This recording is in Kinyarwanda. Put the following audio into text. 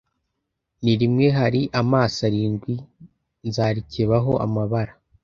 ni rimwe hari amaso arindwi nzarikebaho amabara